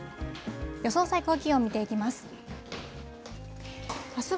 予想最高気温見ていきます。